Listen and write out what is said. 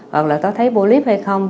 hoặc là nó thấy bôi líp hay không